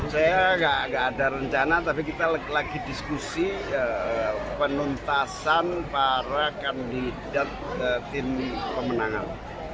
saya nggak ada rencana tapi kita lagi diskusi penuntasan para kandidat tim pemenangan